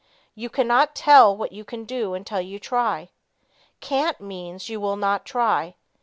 You can not tell what you can do until you try. "Can't" means you will not try.